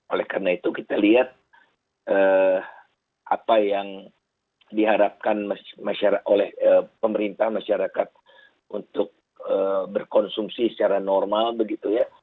oleh karena itu kita lihat apa yang diharapkan oleh pemerintah masyarakat untuk berkonsumsi secara normal begitu ya